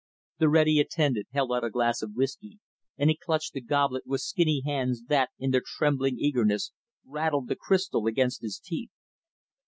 The ready attendant held out a glass of whisky, and he clutched the goblet with skinny hands that, in their trembling eagerness, rattled the crystal against his teeth.